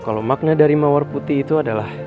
kalau makna dari mawar putih itu adalah